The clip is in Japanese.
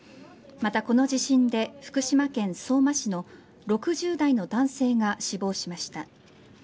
またこの地震で福島県相馬市の６０代の男性が死亡しました。